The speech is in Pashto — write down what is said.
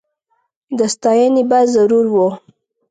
د ستایني به ضرور و